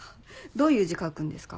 どういう字書くんですか？